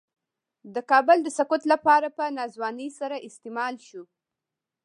د کابل د سقوط لپاره په ناځوانۍ سره استعمال شو.